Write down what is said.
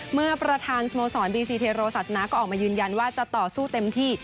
เมื่อประธานสโมสรบีซีเทโรศาสนาก็ออกมายืนยันว่าจะต่อสู้เต็มที่